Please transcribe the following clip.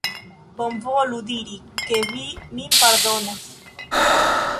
Bonvolu diri ke vi min pardonas.